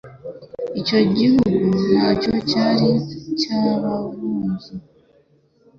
Icyo gihugu nacyo cyari icy'Abavubyi,